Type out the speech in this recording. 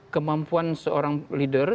kemampuan seorang leader